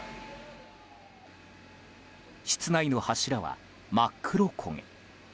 室内の柱は、真っ黒焦げ。